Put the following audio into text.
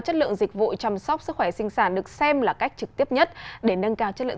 chất lượng dịch vụ chăm sóc sức khỏe sinh sản được xem là cách trực tiếp nhất để nâng cao chất lượng